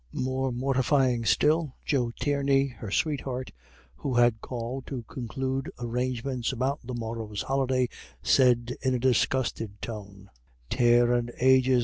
More mortifying still, Joe Tierney, her sweetheart, who had called to conclude arrangements about the morrow's holiday, said in a disgusted tone: "Tare and ages!